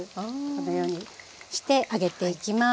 このようにして揚げていきます。